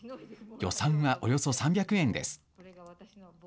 予算は、およそ３００円です。